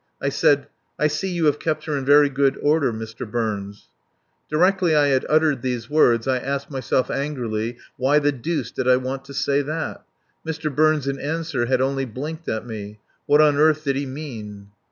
I said: "I see you have kept her in very good order, Mr. Burns." Directly I had uttered these words I asked myself angrily why the deuce did I want to say that? Mr. Burns in answer had only blinked at me. What on earth did he mean?